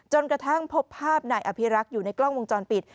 กระทั่งพบภาพนายอภิรักษ์อยู่ในกล้องวงจรปิด